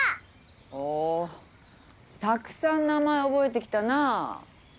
おたくさん名前覚えてきたなぁ。